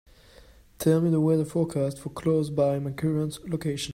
Tell me the weather forecast for close by my current location